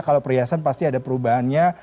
kalau perhiasan pasti ada perubahannya